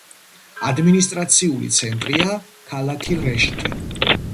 ადმინისტრაციული ცენტრია ქალაქი რეშთი.